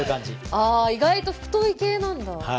あ意外と太い系なんだは